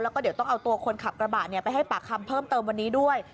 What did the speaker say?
แล้วก็เดี๋ยวต้องเอาตัวคนขับกระบะไปให้ปากคำเพิ่มเติมวันนี้ด้วย